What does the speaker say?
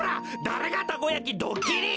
だれがたこ焼きドッキリ！